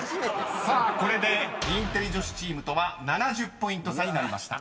［さあこれでインテリ女子チームとは７０ポイント差になりました］